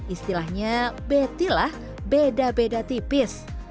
istilahnya betilah beda beda tipis